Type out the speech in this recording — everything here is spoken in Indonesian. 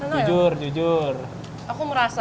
jujur jujur aku merasa